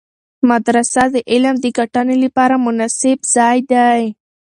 مدرسه د علم د ګټنې لپاره مناسب ځای دی.